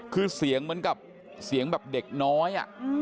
คือเสียงเหมือนกับเสียงแบบเด็กน้อย